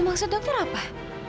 maksud dokter apa